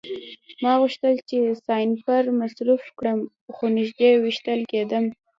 ما غوښتل چې سنایپر مصروف کړم خو نږدې ویشتل کېدم